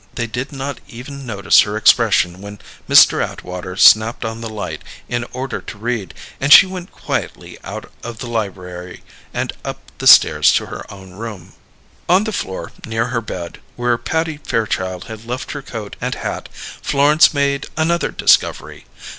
They did not even notice her expression when Mr. Atwater snapped on the light, in order to read; and she went quietly out of the library and up the stairs to her own room. On the floor, near her bed, where Patty Fairchild had left her coat and hat, Florence made another discovery.